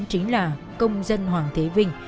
chính là công dân hoàng thế vinh